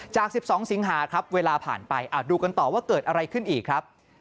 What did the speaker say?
จาก๑๒สิงหาครับเวลาผ่านไปดูกันต่อว่าเกิดอะไรขึ้นอีกครับ